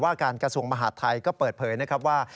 การกระทรวงมหาดไทยก็เปิดเผยนะครับว่า